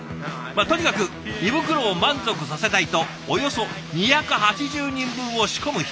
とにかく胃袋を満足させたいとおよそ２８０人分を仕込む日々。